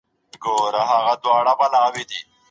ډیپلوماټیک استازي د هیوادونو ترمنځ د تفاهم پیاوړي پلونه دي.